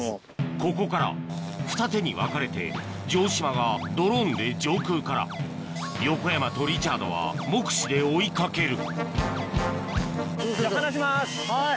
ここからふた手に分かれて城島がドローンで上空から横山とリチャードは目視で追い掛けるはい。